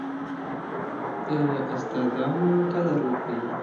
د استادانو قدر وکړئ.